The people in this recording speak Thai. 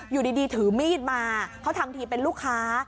อยู่ดีถือมีดมาเขาทำทีเป็นลูกค้า